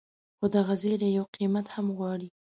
خو دغه زیری یو قیمت هم غواړي.